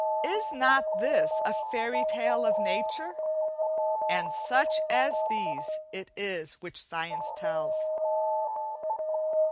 Is not this a fairy tale of nature? and such as these it is which science tells.